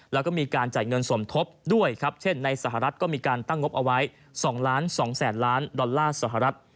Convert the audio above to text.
แล้วก็มีการจ่ายเงินสมทบด้วยครับเช่นในสหรัฐก็มีการตั้งงบเอาไว้๒๒๐๐๐ล้านดอลลาร์สหรัฐ